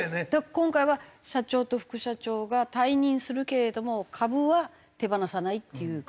今回は社長と副社長が退任するけれども株は手放さないっていう形ですか？